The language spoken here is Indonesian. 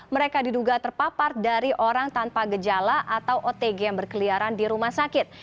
mereka diduga terpapar dari orang tanpa gejala atau otg yang berkeliaran di rumah sakit